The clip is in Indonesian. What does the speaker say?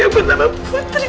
yang pertama putri